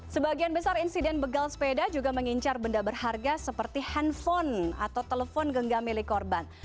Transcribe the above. sebagian besar insiden begal sepeda juga mengincar benda berharga seperti handphone atau telepon genggam milik korban